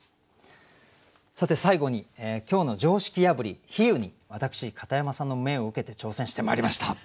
さて最後に今日の常識破り比喩に私片山さんの命を受けて挑戦してまいりました。